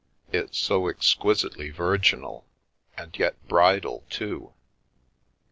It's so exquisitely virginal, and yet bridal too.